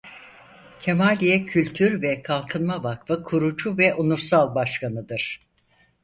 Kemaliye Kültür ve Kalkınma Vakfı kurucu ve onursal başkanıdır.